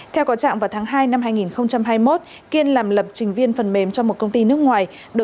theo có trạng vào tháng hai năm hai nghìn hai mươi một kiên làm lập trình viên phần mềm cho một công ty nước ngoài